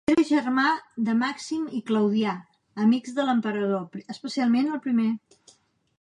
Era germà de Màxim i Claudià, amics de l'emperador, especialment el primer.